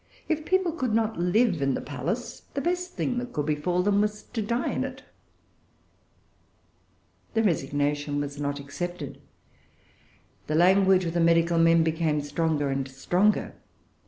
If people could not live in the palace, the best thing that could befall them was to die in it. The resignation was not accepted. The language of the medical men became stronger and stronger.